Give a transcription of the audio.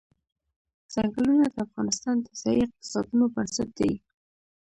ځنګلونه د افغانستان د ځایي اقتصادونو بنسټ دی.